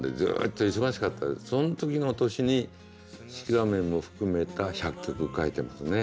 その時の年に「シクラメン」も含めた１００曲書いてますね。